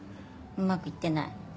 うまくいってない。